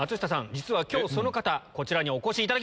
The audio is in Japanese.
実は今日その方こちらにお越しいただきました。